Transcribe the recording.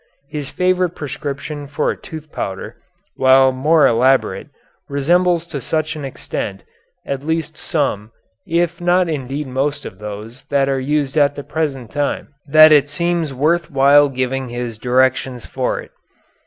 His favorite prescription for a tooth powder, while more elaborate, resembles to such an extent, at least some, if not indeed most of those, that are used at the present time, that it seems worth while giving his directions for it.